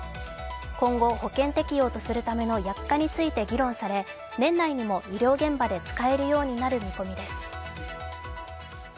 今後、保険適用とするための薬価について議論され、年内にも医療現場で使えるようになる見込みです。